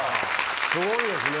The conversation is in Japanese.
すごいですね